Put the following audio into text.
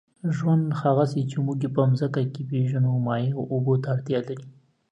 ژوند، هغسې چې موږ یې په مځکه کې پېژنو، مایع اوبو ته اړتیا لري.